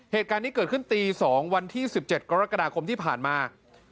เหตุการณ์นี้เกิดขึ้นตี๒วันที่๑๗กรกฎาคมที่ผ่านมา